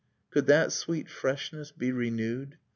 Could that sweet freshness be renewed?